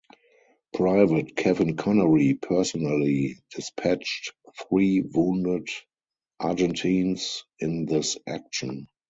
Private Kevin Connery personally dispatched three wounded Argentines in this action.